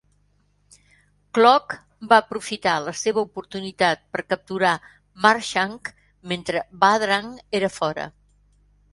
Clogg va aprofitar la seva oportunitat per capturar Marshank mentre Badrang era fora.